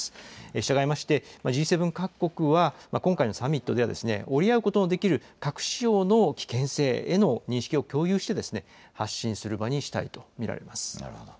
したがいまして、Ｇ７各国は今回のサミットでは折り合うことのできる核使用の危険性への認識を共有して、発信する場にしたいと見られます。